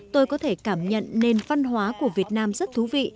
tôi có thể cảm nhận nền văn hóa của việt nam rất thú vị